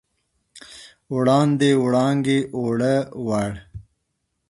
وړاندې، وړانګې، اووړه، وړ